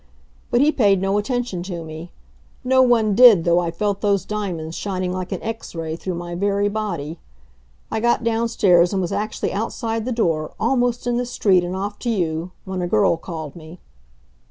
But he paid no attention to me. No one did, though I felt those diamonds shining like an X ray through my very body. I got downstairs and was actually outside the door, almost in the street and off to you, when a girl called me.